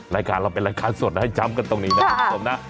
รายการเราเป็นรายการสดนะให้จำกันตรงนี้นะคุณผู้ชมนะ